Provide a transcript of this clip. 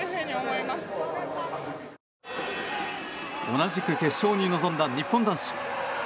同じく決勝に臨んだ日本男子。